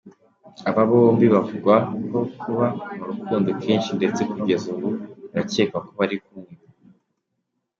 Aba bombi bavugwaho kuba mu rukundo kenshi ndetse kugeza ubu birakekwa ko bari kumwe.